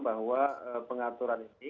bahwa pengaturan ini